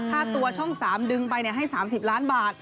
ค่าตัวช่อง๓ดึงไปให้๓๐ล้านบาท